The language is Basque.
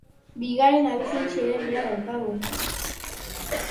Bigarren abizen xelebrea dauka Gorkak.